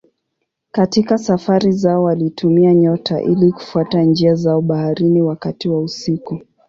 Katika safari zao walitumia nyota ili kufuata njia zao baharini wakati wa usiku.